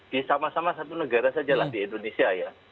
di sama sama satu negara sajalah di indonesia ya